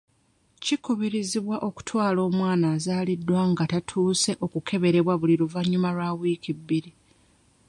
Kikubirizibwa okutwala omwana azaaliddwa nga tatuuse okukeberebwa buli luvannyuma lwa wiiki bbiri.